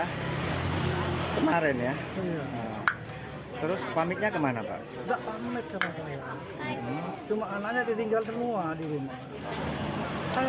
hai kemarin ya terus pamitnya kemana pak cuma anaknya ditinggal semua di rumah saya